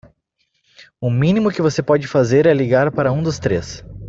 O mínimo que você pode fazer é ligar para um dos três.